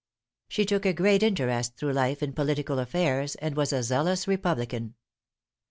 She took a great interest through life in political affairs, and was a zealous republican.